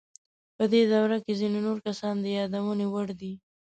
په دې دوره کې ځینې نور کسان د یادونې وړ دي.